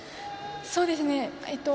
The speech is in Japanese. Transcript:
そうですね。